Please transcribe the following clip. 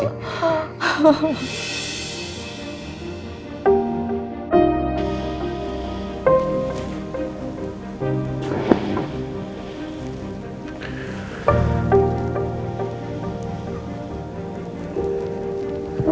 ya udah aku mau